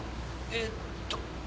えっと。